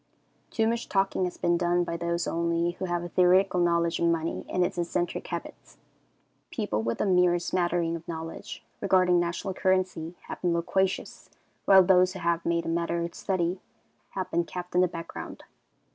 Too much talking has been done by those only who have a theoretical knowledge of money and its eccentric habits. People with a mere smattering of knowledge regarding national currency have been loquacious, while those who have made the matter a study, have been kept in the background.